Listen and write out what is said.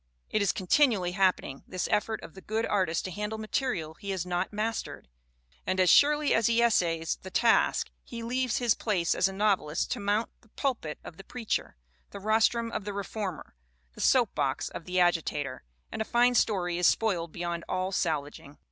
It is continually happening, this effort of the good artist to handle material he has not mastered; and as surely as he essays the task he leaves his place as a novelist to mount the pulpit of the preacher, the rostrum of the reformer, the soapbox of the agitator and a fine story is spoiled beyond all salvaging.